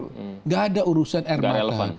tidak ada urusan air mata